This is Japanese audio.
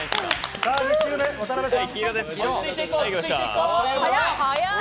２周目、渡邊さん。